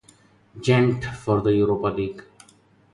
Gent for the Europa League.